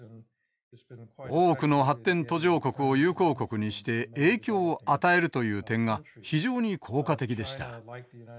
多くの発展途上国を友好国にして影響を与えるという点が非常に効果的でした。